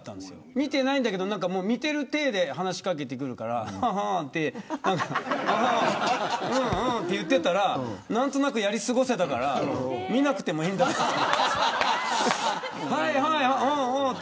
見てないんだけど何かもう、見てるていで話しかけてくるからははあ、うんうんって言ってたら何となくやり過ごせたから見なくてもいいんだなって。